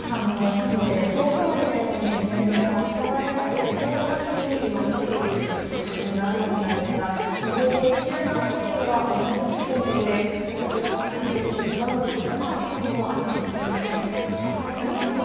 なので、遠くまでこの揺れが伝わりやすくて、広範囲に揺れたという仕組みがあるわけなんですが、今後１週間程度は同じ規模の揺れ、そして今回の揺れで地盤の緩んだ所もあるかもしれません。